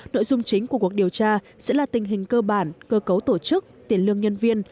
nội dung chính của cuộc điều tra sẽ là tình hình cơ bản cơ cấu tổ chức tiền lương nhân viên